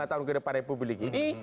lima tahun ke depan republik ini